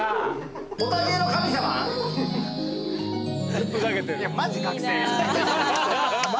ふざけてる。